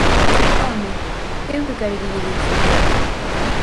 ¡Home!, ¿eu que quere que lle diga?